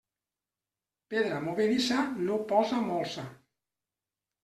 Pedra movedissa no posa molsa.